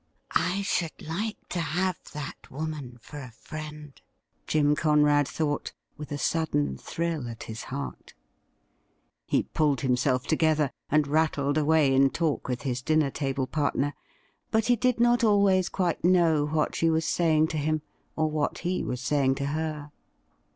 ' I should like to have that woman for a friend,' Jim Conrad thought, with a sudden thrill at his heart. He pulled himself together, and rattled away in talk with his dinner table partner ; but he did not always quite know what she was sajring to him, or what he was saying to her.